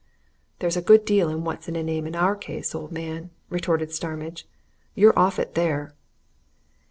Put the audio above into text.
"There's a good deal in what's in a name in our case, old man!" retorted Starmidge. "You're off it there!"